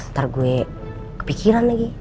ntar gue kepikiran lagi